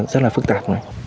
rất là phức tạp